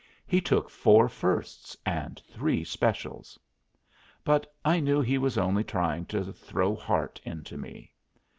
He took four firsts and three specials." But I knew he was only trying to throw heart into me.